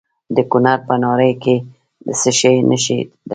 د کونړ په ناړۍ کې د څه شي نښې دي؟